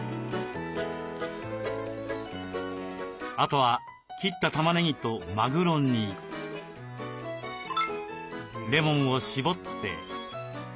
あとは切ったたまねぎとマグロにレモンをしぼって。